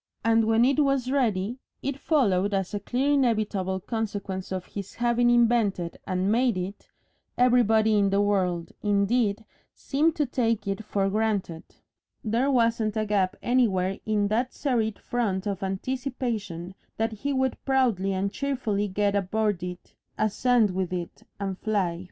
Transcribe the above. And when it was ready, it followed as a clear inevitable consequence of his having invented and made it everybody in the world, indeed, seemed to take it for granted; there wasn't a gap anywhere in that serried front of anticipation that he would proudly and cheerfully get aboard it, ascend with it, and fly.